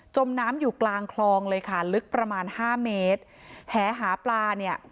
มน้ำอยู่กลางคลองเลยค่ะลึกประมาณห้าเมตรแหหาปลาเนี่ย